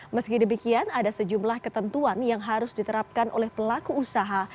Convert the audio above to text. meski demikian ada sejumlah ketentuan yang harus diterapkan oleh pelaku usaha